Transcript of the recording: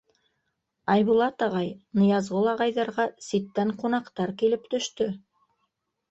— Айбулат ағай, Ныязғол ағайҙарға ситтән ҡунаҡтар килеп төштө.